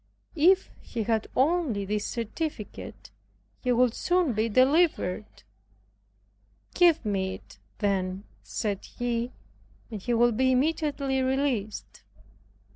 If he had only this certificate, he would soon be delivered. Give me it then," said he, "and he will be immediately released."